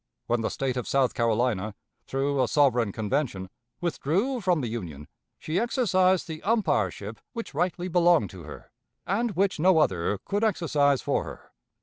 When the State of South Carolina, through a sovereign convention, withdrew from the Union, she exercised the umpireship which rightly belonged to her, and which no other could exercise for her.